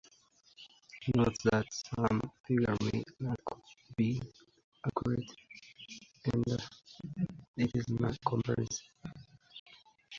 Note that some figures may not be accurate, and it is not comprehensive.